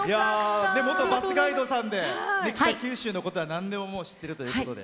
元バスガイドさんで北九州のことはなんでも知ってるということで。